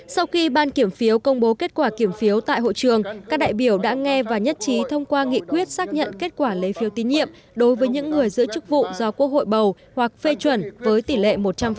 sau khi ban kiểm phiếu công bố kết quả kiểm phiếu tại hội trường các đại biểu đã nghe và nhất trí thông qua nghị quyết xác nhận kết quả lấy phiếu tín nhiệm đối với những người giữ chức vụ do quốc hội bầu hoặc phê chuẩn với tỷ lệ một trăm linh